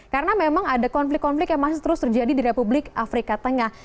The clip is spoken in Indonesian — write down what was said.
karena memang ada konflik konflik yang masih terus terjadi di republik afrika tengah